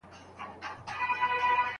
او یوازي به اوسیږي